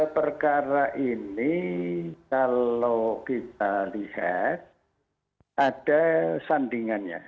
perkara ini kalau kita lihat ada sandingannya